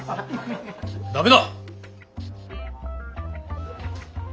ダメだ！